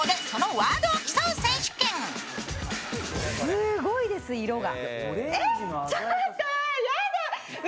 すごいです、色が。